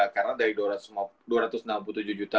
karena dari dua ratus enam puluh tujuh juta